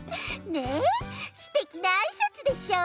ねっすてきなあいさつでしょ？